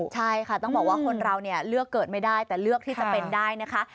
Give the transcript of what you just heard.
ใช่ค่ะต้องบอกว่าคนเราเนี่ยเลือกเกิดไม่ได้แต่เลือกที่จะเป็นได้นะคะ